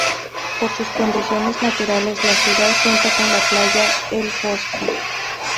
Por sus condiciones naturales la ciudad cuenta con la playa el Bosque.